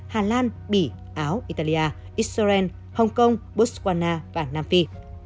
hà lan bỉ áo italia israel hong kong botswana và nam phi